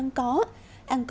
chúng ta đang có